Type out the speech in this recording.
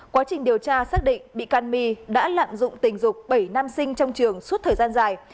quá trình điều tra xác định bị can my đã lạm dụng tình dục bảy nam sinh trong trường suốt thời gian dài